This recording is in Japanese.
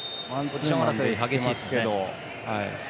ポジション争い激しいですね。